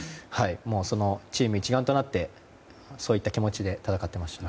チーム一丸となってそういった気持ちで戦ってました。